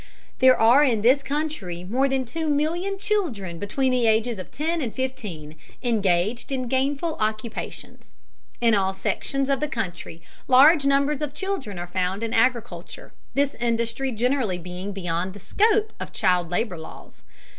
There are in this country more than two million children between the ages of ten and fifteen, engaged in gainful occupations. In all sections of the country large numbers of children are found in agriculture, this industry generally being beyond the scope of child labor laws.